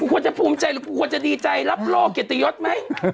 คงควรจะภูมิใจคงควรจะดีใจรับรอเกียรติยศไหม